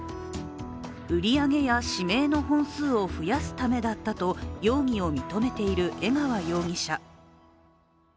売り上げや指名の本数を増やすためだったと容疑を認めている江川容疑者。